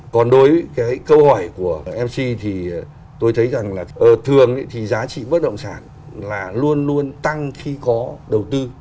còn đối với cái câu hỏi của mc thì tôi thấy rằng là thường thì giá trị bất động sản là luôn luôn tăng khi có đầu tư